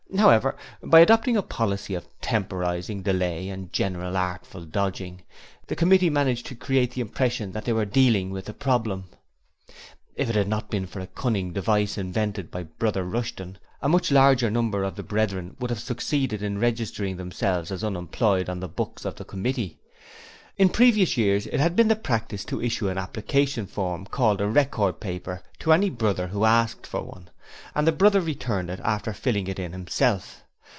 However, by adopting a policy of temporizing, delay, and general artful dodging, the Committee managed to create the impression that they were Dealing with the Problem. If it had not been for a cunning device invented by Brother Rushton, a much larger number of the Brethren would have succeeded in registering themselves as unemployed on the books of the Committee. In previous years it had been the practice to issue an application form called a 'Record Paper' to any Brother who asked for one, and the Brother returned it after filling it in himself.